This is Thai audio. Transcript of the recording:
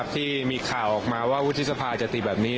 ที่มีข่าวออกมาว่าวุฒิสภาจะตีแบบนี้